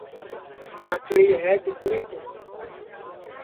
ٕآنٚٹِیلی ہے کِتری تُوں